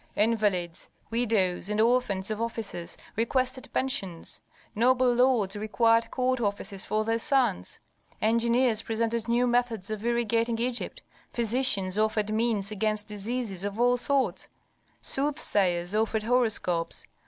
Invalids, widows, and orphans of officers requested pensions; noble lords required court offices for their sons. Engineers presented new methods of irrigating Egypt; physicians offered means against diseases of all sorts; soothsayers offered horoscopes.